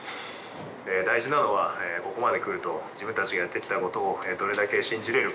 大事なのはここまで来ると自分たちがやってきたことをどれだけ信じれるか